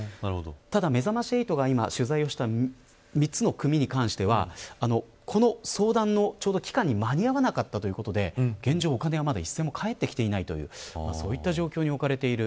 ただ、めざまし８が取材をした３つの組に関してはこの相談の期間に間に合わなかったということで現状、お金は一銭も返ってきていないというそういった状況に置かれている。